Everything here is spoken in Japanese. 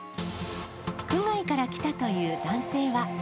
区外から来たという男性は。